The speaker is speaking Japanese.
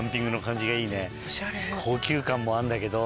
高級感もあんだけど。